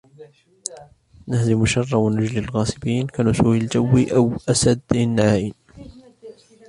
نهزم الشرَّ ونجلي الغاصبين كنسورٍ الجوِّ أو أُسْد العرين